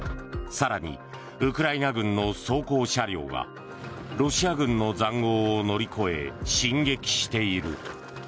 更に、ウクライナ軍の装甲車両がロシア軍の塹壕を乗り越え進撃している。